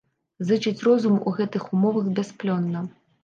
Зычыць розуму ў гэтых умовах бясплённа.